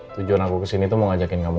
tujuan aku kesini tuh mau ngajakin kamu